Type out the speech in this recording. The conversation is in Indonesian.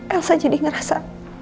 elsa jadi ngerasa